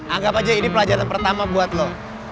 anggap aja ini pelajaran pertama buat lo